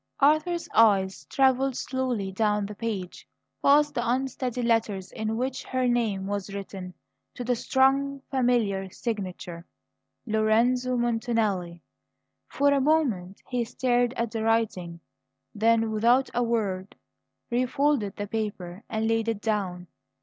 Arthur's eyes travelled slowly down the page, past the unsteady letters in which her name was written, to the strong, familiar signature: "Lorenzo Montanelli." For a moment he stared at the writing; then, without a word, refolded the paper and laid it down.